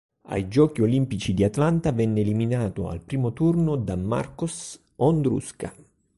Ai Giochi olimpici di Atlanta venne eliminato al primo turno da Marcos Ondruska.